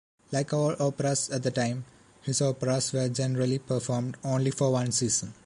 Like all operas at the time, his operas were generally performed only for one season.